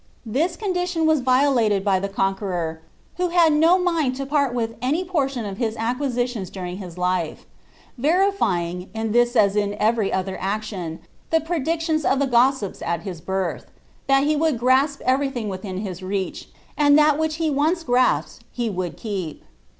Thia condition was violated by the Conqueror, who had no mind to part with any portion of his acquisitions during hia ; veiifying, in this its in every otlier action, the predictions of the • at his birth, " that he wotdd grasp everything witliin his reach, ^ M which he had once grasped he would keep."'